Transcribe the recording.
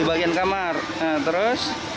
di bagian kamar terus